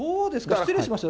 失礼しました。